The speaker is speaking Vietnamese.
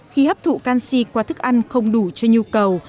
khi hấp thụ canxi qua thức ăn không đủ cho nhu cầu